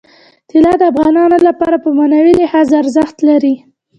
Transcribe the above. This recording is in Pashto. طلا د افغانانو لپاره په معنوي لحاظ ارزښت لري.